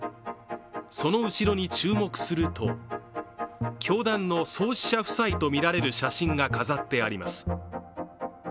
その後ろに注目すると、教団の創始者夫妻とみられる写真が飾ってあります。